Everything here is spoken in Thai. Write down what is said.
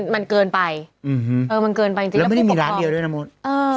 เออมันเกินไปจริงแล้วผู้ปกครองแล้วไม่ได้มีร้านเดียวด้วยนะมุษย์